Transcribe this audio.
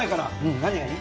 何がいい？